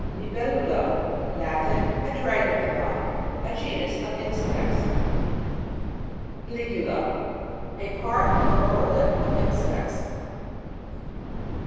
LIBEL'LULA. Latin. A dragon fly. A genus of insects. LI'GULA. A part of the lower lip of insects.